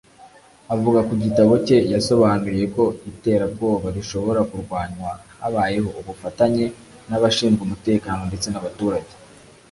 Avuga ku gitabo cye yasobanuye ko iterabwoba rishobora kurwanywa habayeho ubufatanye bw’abashinzwe umutekano ndetse n’abaturage